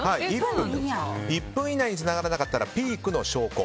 １分以内につながらなかったらピークの証拠。